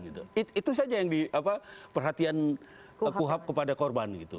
itu saja yang diperhatikan kuhp kepada korban